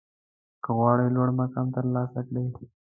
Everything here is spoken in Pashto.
که غواړئ لوړ مقام ترلاسه کړئ